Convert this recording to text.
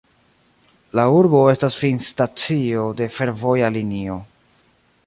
La urbo estas finstacio de fervoja linio.